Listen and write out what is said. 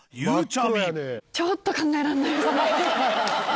ちょっと考えられないですね。